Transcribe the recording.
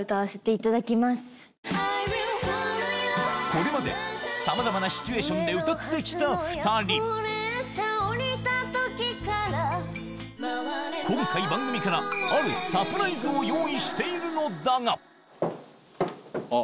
これまでさまざまなシチュエーションで歌って来た２人今回番組からあるサプライズを用意しているのだがあ！